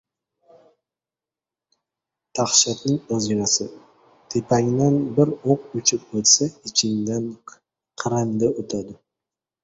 Dahshatning o‘zginasi: tepangdan bir o‘q uchib o‘tsa ichingdan qirindi o‘tadi.